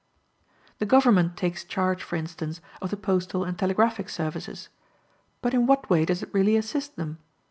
The government takes charge, for instance, of the postal and telegraphic services. But in what way does it really assist them?